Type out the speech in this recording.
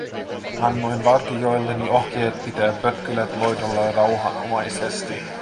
Annoin vartijoilleni ohjeet pitää pötkylät loitolla rauhanomaisesti.